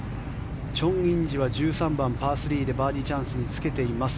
チョン・インジは１３番、パー３でバーディーチャンスにつけています。